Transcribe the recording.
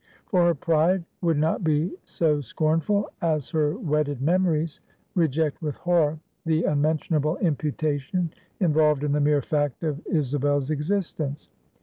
For her pride would not be so scornful, as her wedded memories reject with horror, the unmentionable imputation involved in the mere fact of Isabel's existence.